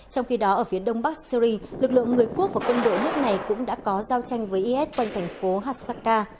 trong khi đó ở phía đông bắc syri lực lượng người quốc và quân đội nước này cũng đã có giao tranh với is quanh thành phố hasaka